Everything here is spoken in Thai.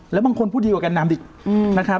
แล้วบางคนพูดดีกว่ากันแกนำดินะครับ